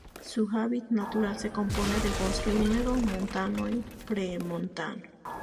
Su hábitat natural se compone de bosque húmedo montano y premontano.